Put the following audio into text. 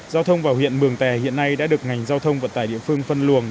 giao thông vào huyện mường tè hiện nay đã được ngành giao thông vận tải địa phương phân luồng